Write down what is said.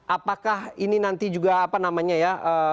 apakah ini nanti juga apa namanya ya